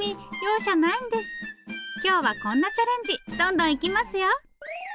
今日はこんなチャレンジどんどんいきますよ！